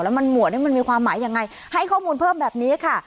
มันหมวดมันมีความหมายยังไงให้ข้อมูลเพิ่มแบบนี้ค่ะ